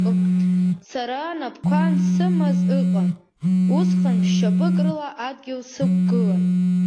Сара анапқәа ансымаз ыҟан, усҟан ԥшь-шьапык рыла адгьыл сықәгылан.